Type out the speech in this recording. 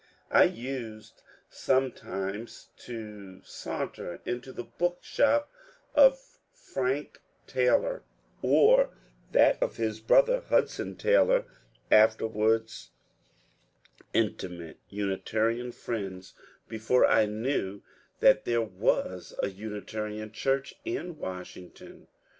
I used sometimes to saunter into the bookshop of Franck Taylor, or CIRCUIT RIDER 101 that of his brother Hudson Taylor, afterwards intimate Uni tarian friends, before I knew that there was a Unitarian ohuroh in Washington.